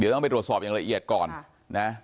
เดี๋ยวต้องไปตรวจสอบอย่างละเอียดก่อนนะ